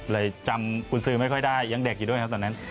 เลยจำคุณซื้อไม่ค่อยได้ยังเด็กอยู่ด้วยครับตอนนั้น